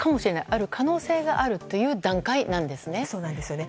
ある可能性があるという段階なんですね。